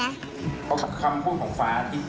ก็ไม่รู้ว่าฟ้าจะระแวงพอพานหรือเปล่า